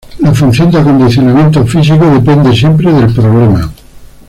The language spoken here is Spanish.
La función de acondicionamiento físico depende siempre del problema.